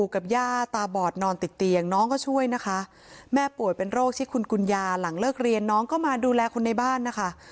กับย่าตาบอดนอนติดเตียงน้องก็ช่วยนะคะแม่ป่วยเป็นโรคที่คุณกุญญาหลังเลิกเรียนน้องก็มาดูแลคนในบ้านนะคะ